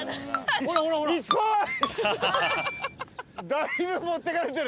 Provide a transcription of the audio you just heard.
だいぶ持ってかれてる。